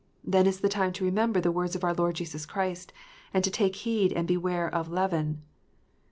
Then is the time to remember the words of our Lord Jesus Christ, and "to take heed and beware of leaven."